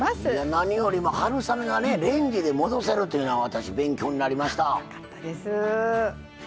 何よりも春雨がレンジで戻せるというのが私、勉強になりました。